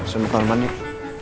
semua kalau manis